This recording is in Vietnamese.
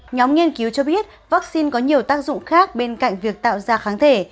nhóm nghiên cứu cho biết vaccine có nhiều tác dụng khác bên cạnh việc tạo ra kháng thể